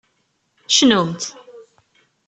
Cnumt!